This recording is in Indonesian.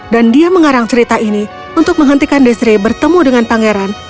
dan dia mengarang cerita ini untuk menghentikan desiree bertemu dengan pangeran